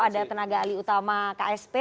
ada tenaga alih utama ksp